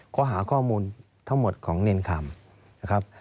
ก็หาข้อมูลทั้งหมดของเอนคำ